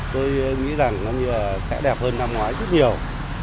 tôi nghĩ rằng nó sẽ đẹp hơn năm ngoái rất nhiều